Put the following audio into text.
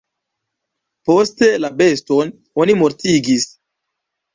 Poste la beston oni mortigis.